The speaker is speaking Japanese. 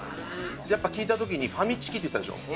やっぱ聞いたときに、ファミチキって言ったでしょ。